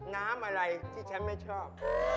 น้ำอะไรที่ฉันไม่ชอบ